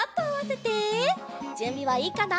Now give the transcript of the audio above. じゅんびはいいかな？